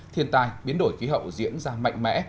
thiên tai biến đổi khí hậu diễn ra mạnh mẽ